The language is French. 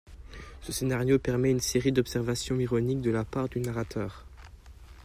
Ce scénario permet une série d'observations ironiques de la part du narrateur.